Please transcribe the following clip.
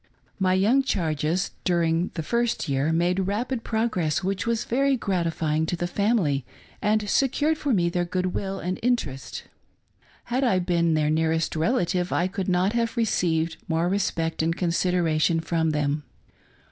My young charges during the first year made rapid pro gress, which was very gratifying to the family and secured for me their good will and interest. Had I been their nearest relative I could not have received more respect and consider ation from thfem.